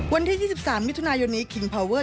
วันที่๒๓มิถุนายนนี้คิงพาวเวอร์